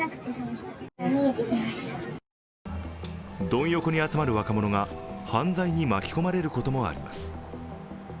ドン横に集まる若者が犯罪に巻き込まれることもあります。